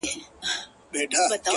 ستا وه ديدن ته هواداره يمه؛